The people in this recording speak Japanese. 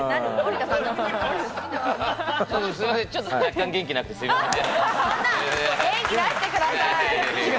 ちょっと若干元気なくて、すいません。